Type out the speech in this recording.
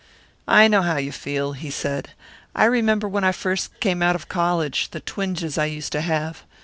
"I know how you feel," he said. "I remember when I first came out of college, the twinges I used to have.